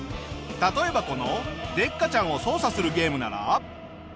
例えばこのデッカチャンを操作するゲームなら。